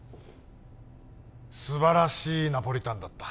素晴らしいナポリタンだった